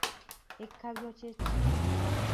Ekkabyo kye ki?